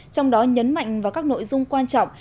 trong đó nhấn mạnh vào các nội dung quan trọng